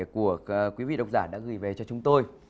của quý vị độc giả đã gửi về cho chúng tôi